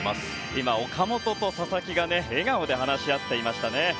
今、岡本と佐々木が笑顔で話し合っていました。